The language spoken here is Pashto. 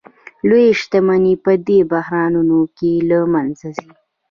لویې شتمنۍ په دې بحرانونو کې له منځه ځي